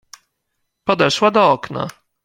Podeszła do okna.